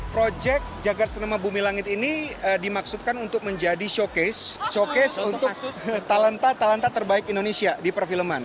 proyek jagad cinema bumi langit ini dimaksudkan untuk menjadi showcase showcase untuk talenta talenta terbaik indonesia di perfilman